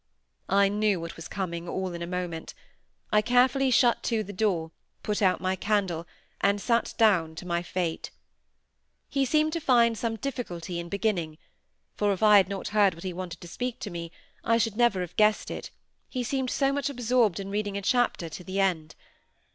I knew what was coming, all in a moment. I carefully shut to the door, put out my candle, and sate down to my fate. He seemed to find some difficulty in beginning, for, if I had not heard that he wanted to speak to me, I should never have guessed it, he seemed so much absorbed in reading a chapter to the end.